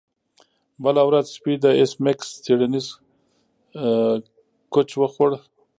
بله ورځ سپي د ایس میکس څیړنیز کوچ وخوړ